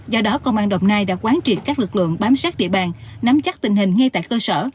do đó công an đồng nai đã quán triệt các lực lượng bám sát địa bàn nắm chắc tình hình ngay tại cơ sở